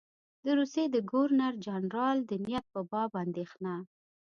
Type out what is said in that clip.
د روسیې د ګورنر جنرال د نیت په باب اندېښنه.